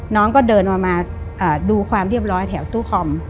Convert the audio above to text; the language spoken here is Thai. น้องก็เดินมาดูความเรียบร้อยแถวตู้คอม